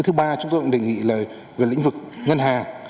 thứ ba chúng tôi cũng đề nghị là về lĩnh vực ngân hàng